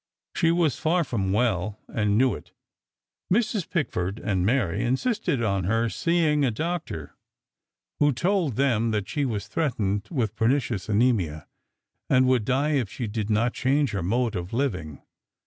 She was far from well, and knew it. Mrs. Pickford and Mary insisted on her seeing a doctor, who told them that she was threatened with pernicious anemia, and would die if she did not change her mode of living.